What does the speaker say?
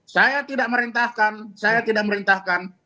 saya tidak merintahkan saya tidak merintahkan